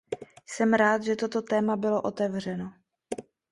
Jsem rád, že toto téma bylo otevřeno.